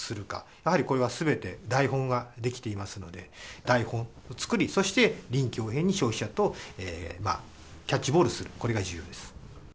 やはりこれはすべて台本が出来ていますので、台本を作り、そして臨機応変に消費者とキャッチボールする、これが重要です。